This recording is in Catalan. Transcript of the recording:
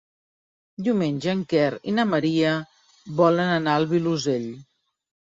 Diumenge en Quer i na Maria volen anar al Vilosell.